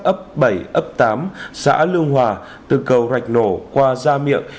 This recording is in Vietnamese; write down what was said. ấp bảy ấp tám xã lương hòa từ cầu rạch nổ qua gia miệng